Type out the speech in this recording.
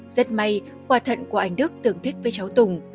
rất may quả thận của anh đức tương thích với cháu tùng